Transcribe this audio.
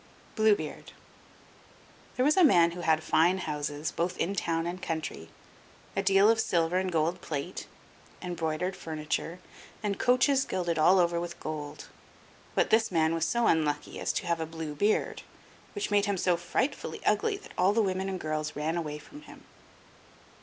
BLUE BEARD There was a man who had fine houses, both in town and country, a deal of silver and gold plate, embroidered furniture, and coaches gilded all over with gold. But this man was so unlucky as to have a blue beard, which made him so frightfully ugly that all the women and girls ran away from him.